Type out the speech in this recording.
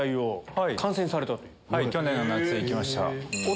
去年の夏行きました。